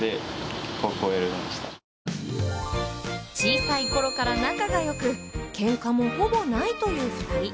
小さいころから仲がよくけんかもほぼないという２人。